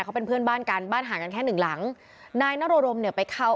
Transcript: เขาเป็นเพื่อนบ้านกันบ้านห่างกันแค่หนึ่งหลังนายนโรรมเนี่ยไปเข้า